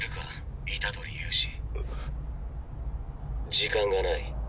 時間がない。